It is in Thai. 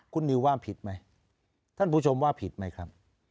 คุณนิวว่าผิดไหมท่านผู้ชมว่าผิดไหมครับ